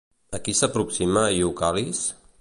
A qui s'aproxima Iocal·lis?